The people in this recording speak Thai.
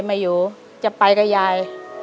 ไม่อยู่จะไปกับยาย